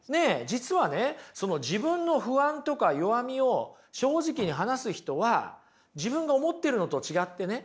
実はねその自分の不安とか弱みを正直に話す人は自分が思ってるのと違ってね